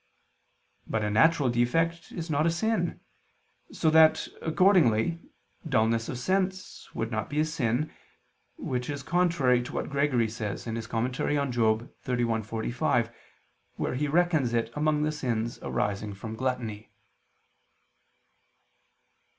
But a natural defect is not a sin: so that, accordingly, dulness of sense would not be a sin, which is contrary to what Gregory says (Moral. xxxi, 45), where he reckons it among the sins arising from gluttony.